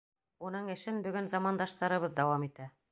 Уның эшен бөгөн замандаштарыбыҙ дауам итә.